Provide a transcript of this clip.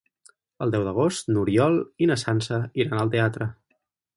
El deu d'agost n'Oriol i na Sança iran al teatre.